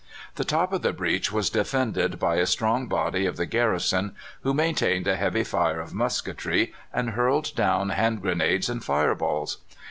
The top of the breach was defended by a strong body of the garrison, who maintained a heavy fire of musketry, and hurled down hand grenades and fire balls.